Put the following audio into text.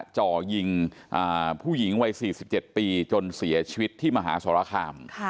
จ่อยิงผู้หญิงวัย๔๗ปีจนเสียชีวิตที่มหาสรคาม